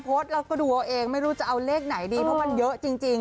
เพราะก็ดูเอาเองไม่รู้จะเอาเลขไหนดีเพราะว่ามันเยอะจริง